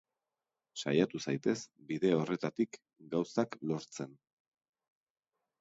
Saiatu zaitez bide horretatik gauzak lortzen.